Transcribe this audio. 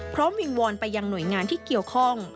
วิงวอนไปยังหน่วยงานที่เกี่ยวข้อง